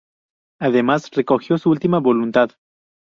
Además recogió su última voluntad.